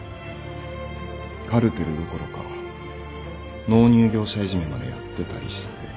カルテルどころか納入業者いじめまでやってたりして。